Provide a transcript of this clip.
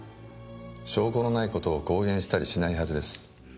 証拠のない事を公言したりしないはずです。